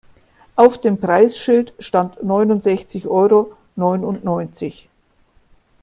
Auf dem Preisschild stand neunundsechzig Euro neunundneunzig.